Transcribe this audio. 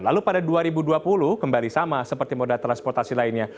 lalu pada dua ribu dua puluh kembali sama seperti moda transportasi lainnya